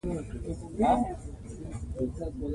ازادي راډیو د مالي پالیسي د منفي اړخونو یادونه کړې.